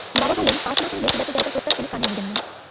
বাবা বলেন, পাস না করিলে বিলাতে যাইবার প্রস্তাব তিনি কানে আনিবেন না।